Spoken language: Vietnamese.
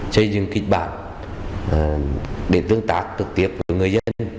xây dựng kịch bản để tương tác trực tiếp với người dân